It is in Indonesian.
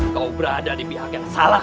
kau berada di pihak yang salah